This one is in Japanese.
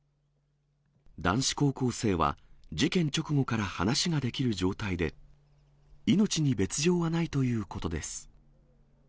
男子高校生は、事件直後から話ができる状態で、命に別状はないということです。